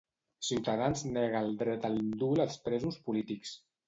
Ciutadans nega el dret a l'indult als presos polítics.